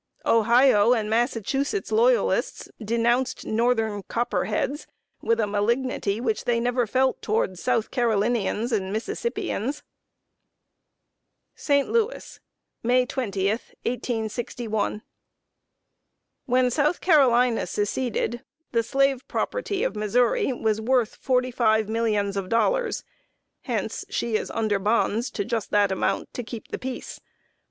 Ohio and Massachusetts Loyalists denounced northern "Copperheads" with a malignity which they never felt toward South Carolinians and Mississippians. ST. LOUIS, May 20, 1861. When South Carolina seceded, the slave property of Missouri was worth forty five millions of dollars; hence she is under bonds to just that amount to keep the peace.